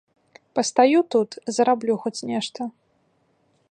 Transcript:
Пастаю тут, зараблю хоць нешта.